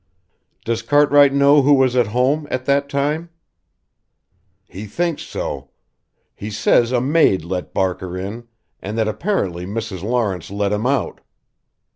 "Does Cartwright know who was at home at that time?" "He thinks so. He says a maid let Barker in and that apparently Mrs. Lawrence let him out.